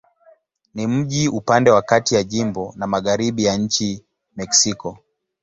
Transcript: Ni mji upande wa kati ya jimbo na magharibi ya nchi Mexiko.